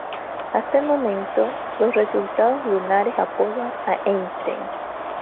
Hasta el momento, los resultados lunares apoyan a Einstein.